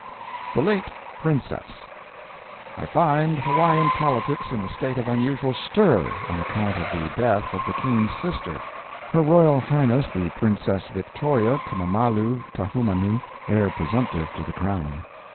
THE LATE PRINCESS I find Hawaiian politics in a state of unusual stir on account of the death of the King's sister. Her Royal Highness the Princess Victoria Kamamalu Kaahumanu, heir presumptive to the crown.